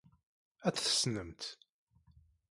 Ad t-tessnemt.